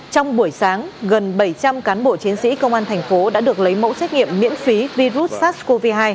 trong buổi sáng gần bảy trăm linh cán bộ chiến sĩ công an thành phố đã được lấy mẫu xét nghiệm miễn phí virus sars cov hai